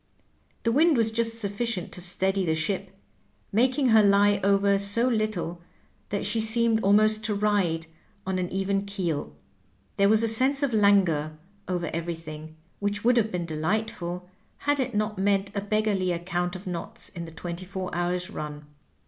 The wind was just sufficient to steady the ship, making her lie over so little that she seemed almost to ride on an even keel* There was a sense of languor over everything, which would have been delight ful had it not meant a beggarly account of knots in the twenty four hours' run.